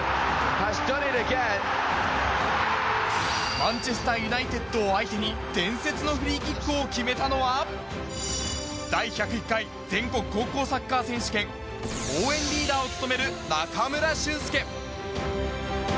マンチェスター・ユナイテッドを相手に伝説のフリーキックを決めたのは、第１０１回全国高校サッカー選手権、応援リーダーを務める中村俊輔。